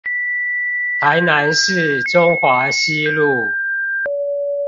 臺南市中華西路